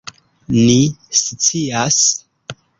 Ni scias!